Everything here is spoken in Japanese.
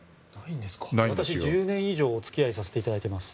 私、１０年以上お付き合いさせていただいてます。